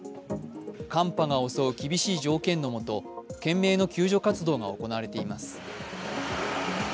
寒波が襲う厳しい条件のもと、懸命の救命活動が行われています。